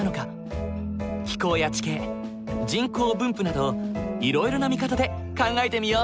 気候や地形人口分布などいろいろな見方で考えてみよう！